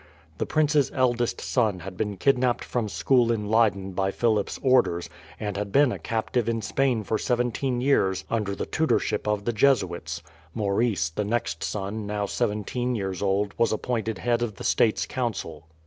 The prince's eldest son had been kidnapped from school in Leyden by Philip's orders, and had been a captive in Spain for seventeen years under the tutorship of the Jesuits. Maurice, the next son, now seventeen years old, was appointed head of the States Council.